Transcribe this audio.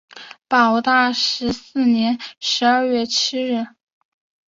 保大十四年十二月七日。